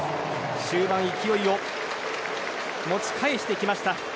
終盤、勢いを持ち返してきました。